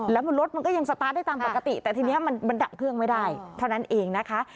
แล้วรถมันก็ยังสตาร์ทได้ตามปกติแต่ทีนี้มันดับเครื่องไม่ได้เท่านั้นเองนะคะ